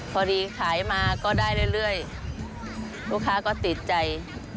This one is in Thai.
พอดีขายมาก็ได้เรื่อยลูกค้าก็ติดใจ